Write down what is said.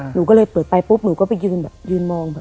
หนูก็เลยเปิดไปปุ๊บหนูก็ไปยืนแบบยืนมองแบบ